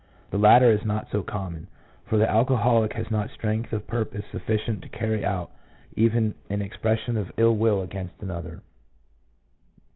The latter is not so common, for the alcoholic has not strength of purpose sufficient to carry out even an expression of ill will against another.